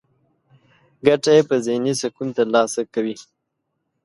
ګټه يې په ذهني سکون ترلاسه کوي.